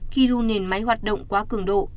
khi lưu nền máy hoạt động quá cường độ